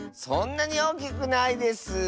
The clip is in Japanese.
そんなにおおきくないです。